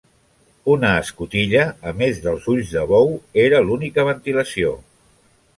Una escotilla, a més dels ulls de bou, era l'única ventilació.